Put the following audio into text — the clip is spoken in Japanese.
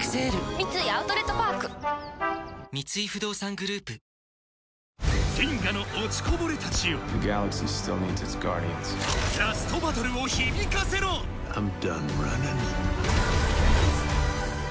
三井アウトレットパーク三井不動産グループ半ズボン